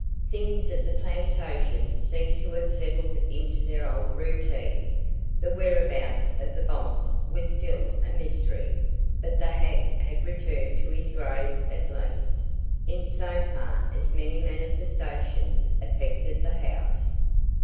Things at the plantation seemed to have settled into their old routine. The whereabouts of the bonds was still a mystery, but the ha'nt had returned to his grave at least, in so far as any manifestations affected the house.